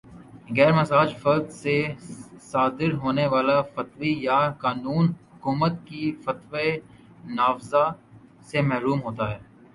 غیر مجاز فرد سے صادر ہونے والا فتویٰ یا قانون حکومت کی قوتِ نافذہ سے محروم ہوتا ہے